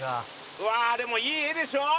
うわあでもいい画でしょ？